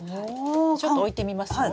ちょっと置いてみますよ。